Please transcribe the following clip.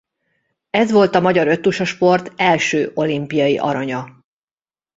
Ez volt a magyar öttusa sport első olimpiai aranya.